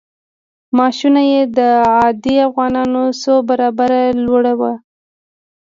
معاشونه یې د عادي افغانانو څو برابره لوړ وو.